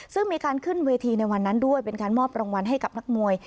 ซึ่งมีการขึ้นเวทีในวันนั้นด้วยเป็นการมอบรางวัลให้กับนักมวย